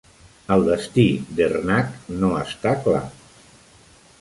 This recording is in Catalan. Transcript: El destí d'Ernak no està clar.